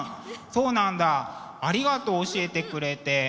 そうなんだありがとう教えてくれて。